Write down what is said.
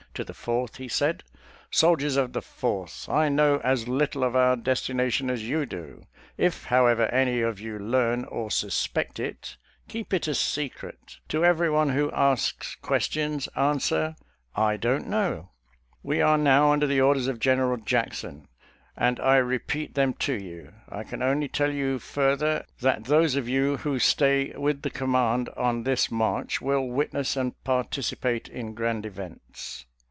To the Fourth he said, " Sol diers of the Fourth : I know as little of our desti nation as you do. If, however, any of you learn or suspect it, keep it a secret. To everyone who asks questions, answer, ' I don't know.' We are now under the orders of General Jackson, and I repeat them to you. I can only tell you further, that those of you who stay with the command on this march will witness and participate in grand events."